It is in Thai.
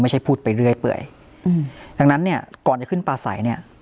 พูดไปเรื่อยเปื่อยอืมดังนั้นเนี่ยก่อนจะขึ้นปลาใสเนี่ย